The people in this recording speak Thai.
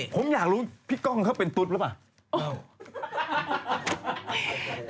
ผมอยากรู้พี่ก้องเขาเป็นตุ๊ดหรือเปล่า